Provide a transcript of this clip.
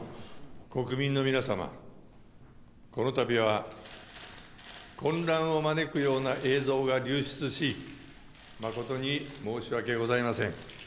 この度は混乱を招くような映像が流出し誠に申し訳ございません。